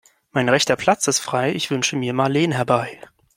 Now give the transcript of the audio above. Mein rechter Platz ist frei, ich wünsche mir Marleen herbei.